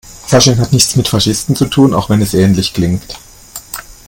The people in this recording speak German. Fasching hat nichts mit Faschisten zu tun, auch wenn es ähnlich klingt.